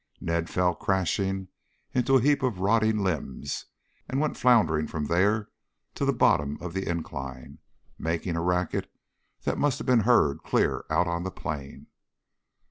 Ned fell crashing into a heap of rotting limbs and went floundering from there to the bottom of the incline, making a racket that must have been heard clear out on the plain.